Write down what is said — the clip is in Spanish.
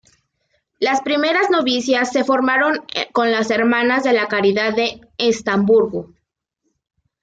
Las primeras novicias se formaron con las Hermanas de la Caridad de Estrasburgo.